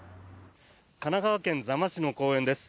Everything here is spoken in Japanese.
神奈川県座間市の公園です。